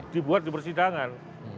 dibuat di persidangan